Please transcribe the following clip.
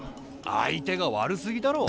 相手が悪すぎだろ。